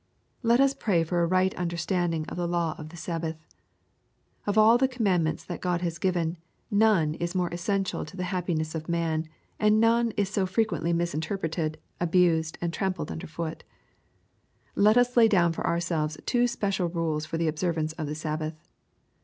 Let us pray for a right understanding of the law of the Sabbath. Of all the commandments that God has given, none is more essential to the happiness of man, and none is so frequently misrepresented, abused, and trampled under foot. Let us lay down for ourselves two special rules for the observance of the Sabbath.